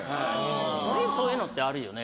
ついそういうのってあるよね。